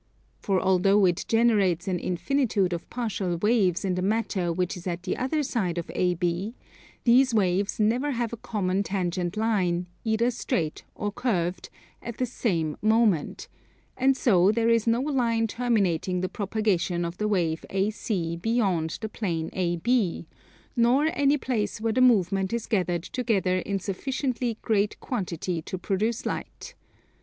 For although it generates an infinitude of partial waves in the matter which is at the other side of AB, these waves never have a common tangent line (either straight or curved) at the same moment; and so there is no line terminating the propagation of the wave AC beyond the plane AB, nor any place where the movement is gathered together in sufficiently great quantity to produce light.